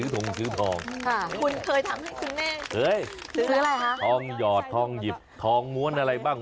ทองหยอดทองหยิบทองม้วนอะไรบ้าง